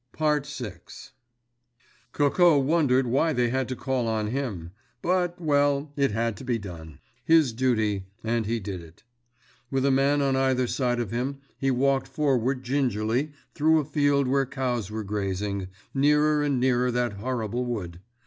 VI Coco wondered why they had to call on him; but, well, it had to be done, his duty, and he did it. With a man on either side of him he walked forward gingerly through a field where cows were grazing, nearer and nearer that horrible wood.